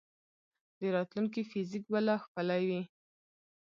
د راتلونکي فزیک به لا ښکلی وي.